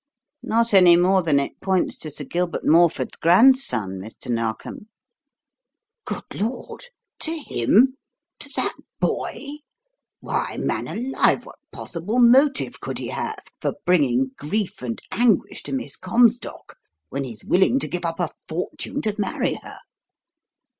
"Not any more than it points to Sir Gilbert Morford's grandson, Mr. Narkom." "Good Lord! To him? To that boy? Why, man alive, what possible motive could he have for bringing grief and anguish to Miss Comstock when he's willing to give up a fortune to marry her?"